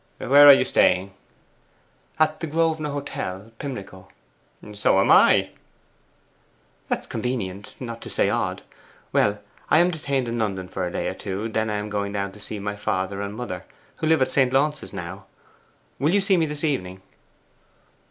'Where are you staying?' 'At the Grosvenor Hotel, Pimlico.' 'So am I.' 'That's convenient, not to say odd. Well, I am detained in London for a day or two; then I am going down to see my father and mother, who live at St. Launce's now. Will you see me this evening?